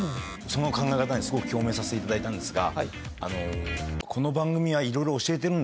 その考え方にすごく共鳴させていただいたんですが。